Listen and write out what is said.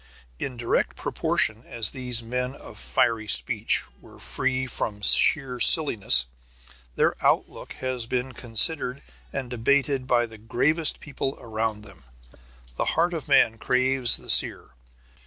In direct proportion as these men of fiery speech were free from sheer silliness, their outlook has been considered and debated by the gravest people round them. The heart of man craves the seer.